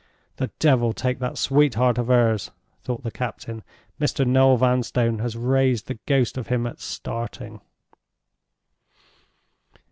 "The devil take that sweetheart of hers!" thought the captain. "Mr. Noel Vanstone has raised the ghost of him at starting."